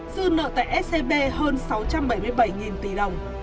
dư nợ tại scb hơn sáu trăm bảy mươi bảy tỷ đồng